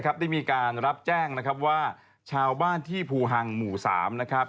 ได้มีการรับแจ้งนะครับว่าชาวบ้านที่ภูฮังหมู่๓นะครับ